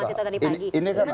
pak mas hinton kita break dulu ya